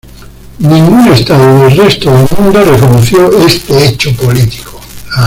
Ningún Estado del resto del mundo reconoció este hecho político.